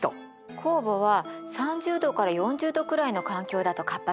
酵母は３０度から４０度くらいの環境だと活発に働くのよ。